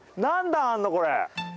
何段あんのこれ。